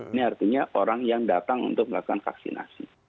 ini artinya orang yang datang untuk melakukan vaksinasi